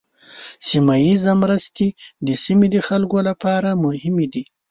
سیمه ایزه مرستې د سیمې د خلکو لپاره مهمې دي.